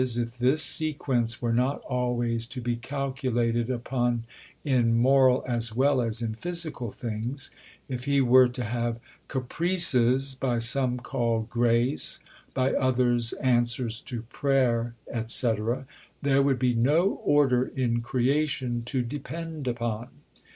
_ if this sequence were not always to be calculated upon in moral as well as in physical things if He were to have caprices (by some called grace, by others answers to prayer, etc.), there would be no order in creation to depend upon.